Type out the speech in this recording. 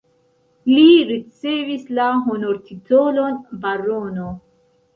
Li ricevis la honortitolon barono.